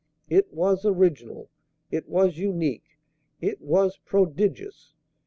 It was original; it was unique; it was prodigious.